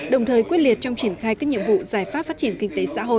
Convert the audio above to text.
đồng thời quyết liệt trong triển khai các nhiệm vụ giải pháp phát triển kinh tế xã hội